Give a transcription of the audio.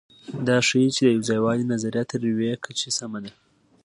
دا ښيي، چې د یوځایوالي نظریه تر یوې کچې سمه ده.